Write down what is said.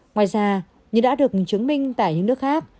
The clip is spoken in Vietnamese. ngoài ra như đã được chứng minh tại những nước khác